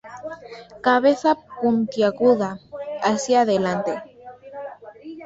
Cabeza puntiaguda hacia adelante.